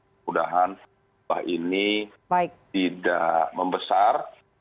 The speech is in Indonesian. mudah mudahan ini tidak membesar